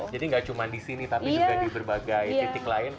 jadi nggak cuma di sini tapi juga di berbagai titik lain